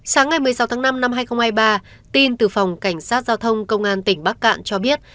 sáng ngày một mươi sáu tháng năm năm hai nghìn hai mươi ba tin từ phòng cảnh sát giao thông công an tỉnh bắc cạn cho biết